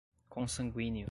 consanguíneo